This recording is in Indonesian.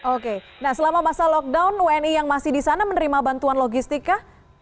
oke nah selama masa lockdown wni yang masih di sana menerima bantuan logistik kah